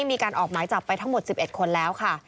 มีการออกหมายจับไปทั้งหมด๑๑คนแล้วค่ะ